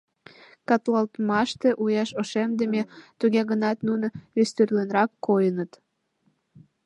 Катлалтмаште уэш ошемдыме, туге гынат нуно вестӱрлынрак койыныт.